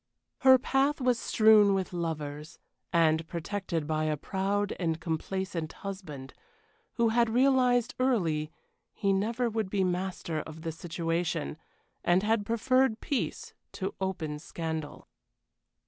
Her path was strewn with lovers, and protected by a proud and complacent husband, who had realized early he never would be master of the situation, and had preferred peace to open scandal.